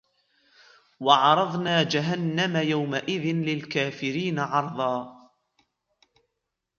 وَعَرَضْنَا جَهَنَّمَ يَوْمَئِذٍ لِلْكَافِرِينَ عَرْضًا